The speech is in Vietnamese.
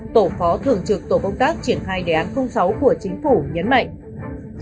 tổ phó thường trực tổ công tác triển khai đề án sáu của chính phủ nhấn mạnh